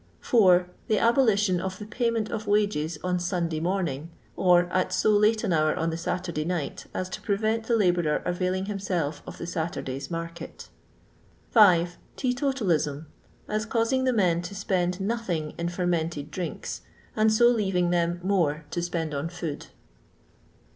4. The abolition of the payment of wages on Snnday morning, or at to late an hour on the Saturday niflht as to prevent the labourer availing himself of the. Saturday's market. 5. Teetotalism; as causing the men to spend nothing in fermented drinks, and so leaving them more to spend on food.